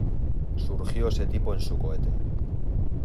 Surgió ese tipo en su cohete